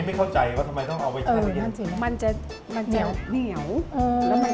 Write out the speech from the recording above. ไม่เข้าใจว่าทำไมต้องเอาไว้ใส่แบบนี้